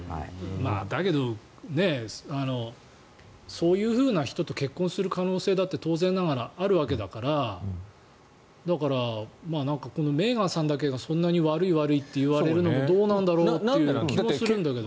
だけど、そういう人と結婚する可能性だって当然ながらあるわけだからだから、このメーガンさんだけがそんなに悪い、悪いといわれるのもどうなんだろうという気もするんだけど。